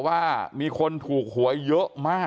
ความปลอดภัยของนายอภิรักษ์และครอบครัวด้วยซ้ำ